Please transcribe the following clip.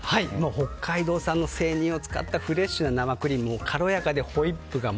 北海道産の生乳を使ったフレッシュな生クリームで軽やかなホイップが。